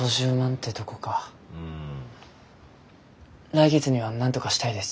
来月にはなんとかしたいです。